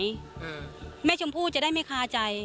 พ่อน้องชมพู่จะได้ไม่คาใจ